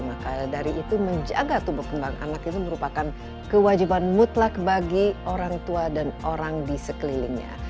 maka dari itu menjaga tubuh kembang anak itu merupakan kewajiban mutlak bagi orang tua dan orang di sekelilingnya